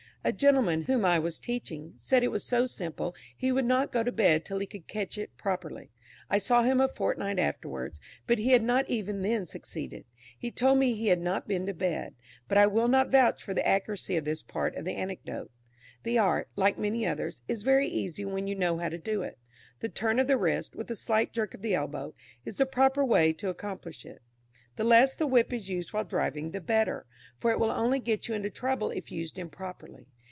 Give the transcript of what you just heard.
A gentleman, whom I was teaching, said it was so simple, he would not go to bed till he could catch it properly. I saw him a fortnight afterwards, but he had not even then succeeded; he told me he had not been to bed; but I will not vouch for the accuracy of this part of the anecdote. The art, like many others, is very easy when you know how to do it. The turn of the wrist, with a slight jerk of the elbow, is the proper way to accomplish it. The less the whip is used while driving, the better, for it will only get you into trouble if used improperly.